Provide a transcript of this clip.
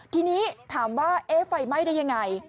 ทีนี้ถามว่าเอ๊ะไฟไหม้ได้ยังไง